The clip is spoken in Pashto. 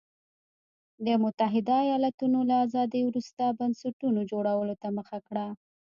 د متحده ایالتونو له ازادۍ وروسته بنسټونو جوړولو ته مخه کړه.